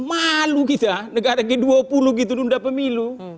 malu kita negara g dua puluh gitu nunda pemilu